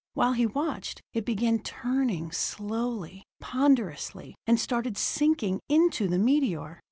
While he watched, it began turning slowly, ponderously, and started sinking into the meteor.